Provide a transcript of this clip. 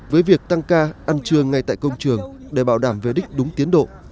với việc tăng ca ăn trưa ngay tại công trường để bảo đảm về đích đúng tiến độ